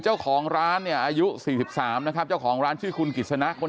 เจ้าของร้านเนี่ยอายุ๔๓นะครับเจ้าของร้านชื่อคุณกิจสนะคน